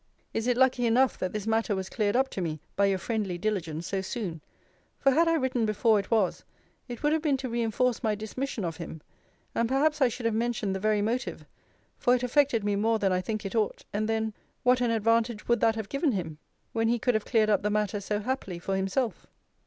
Is it lucky enough that this matter was cleared up to me by your friendly diligence so soon: for had I written before it was, it would have been to reinforce my dismission of him; and perhaps I should have mentioned the very motive; for it affected me more than I think it ought: and then, what an advantage would that have given him, when he could have cleared up the matter so happily for himself!